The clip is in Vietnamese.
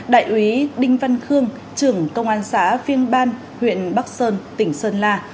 đại úy đinh văn khương trưởng công an xã phiên ban huyện bắc sơn tỉnh sơn la